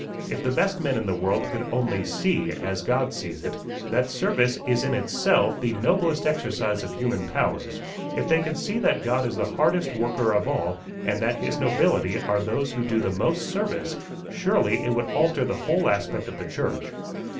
if the best men in the world could only see, as God sees it, that service is in itself the noblest exercise of human powers, if they could see that God is the hardest worker of all, and that his nobility are those who do the most service, surely it would alter the whole aspect of the church.